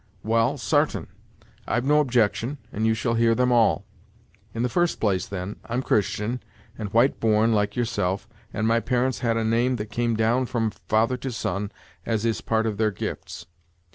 "Well, sartain; I've no objection, and you shall hear them all. In the first place, then, I'm Christian, and white born, like yourself, and my parents had a name that came down from father to son, as is a part of their gifts.